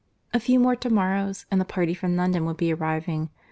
A few more to morrows, and the party from London would be arriving.